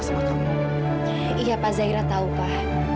iya pak zaira tahu pak